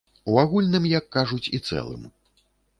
У агульным, як кажуць, і цэлым.